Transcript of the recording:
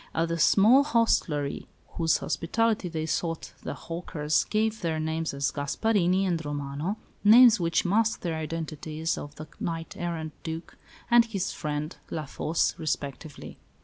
At the small hostelry whose hospitality they sought the hawkers gave their names as Gasparini and Romano, names which masked the identities of the knight errant Duc and his friend, La Fosse, respectively.